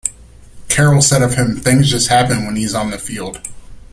Carroll said of him Things just happen when he's on the field.